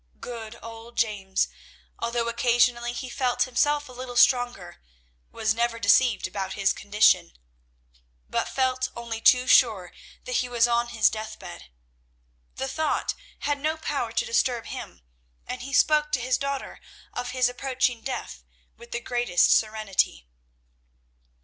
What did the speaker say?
Good old James, although occasionally he felt himself a little stronger, was never deceived about his condition, but felt only too sure that he was on his deathbed. The thought had no power to disturb him, and he spoke to his daughter of his approaching death with the greatest serenity.